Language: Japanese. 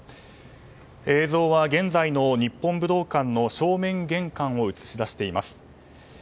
映像は現在の日本武道館の正面玄関を映し出しています。